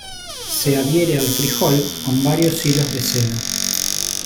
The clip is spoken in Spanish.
Se adhiere al frijol con varios hilos de seda.